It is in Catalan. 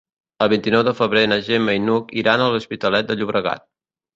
El vint-i-nou de febrer na Gemma i n'Hug iran a l'Hospitalet de Llobregat.